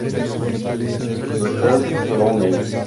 Su libertad duró un año.